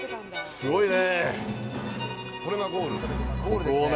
すごいね。